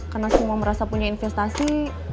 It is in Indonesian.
karena semua merasa punya investasi